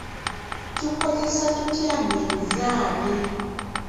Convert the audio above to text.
Tukozesa tutya minzaani?